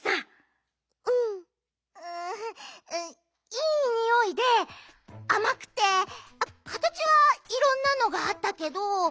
いいにおいであまくてかたちはいろんなのがあったけど。